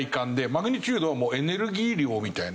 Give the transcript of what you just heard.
マグニチュードはもうエネルギー量みたいな。